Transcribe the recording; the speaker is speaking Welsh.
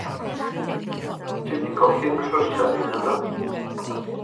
Ti'm 'di colli nghrysa fi, naddo?